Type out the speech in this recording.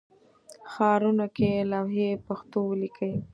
ښارونو کې لوحې پښتو ولیکئ